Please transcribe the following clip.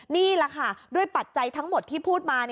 นี่แหละค่ะด้วยปัจจัยทั้งหมดที่พูดมา